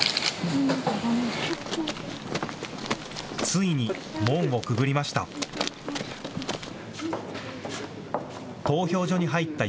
ついに門をくぐりました。